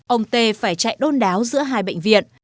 ông t phải chạy đôn đáo giữa hai bệnh viện